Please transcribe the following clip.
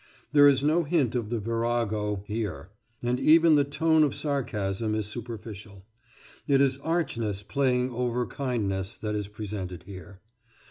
There is no hint of the virago here, and even the tone of sarcasm is superficial. It is archness playing over kindness that is presented here."